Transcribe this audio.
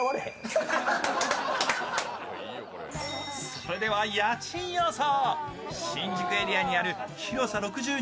それでは家賃予想。